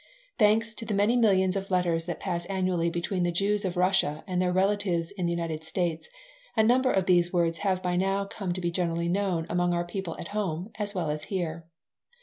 Thanks to the many millions of letters that pass annually between the Jews of Russia and their relatives in the United States, a number of these words have by now come to be generally known among our people at home as well as here.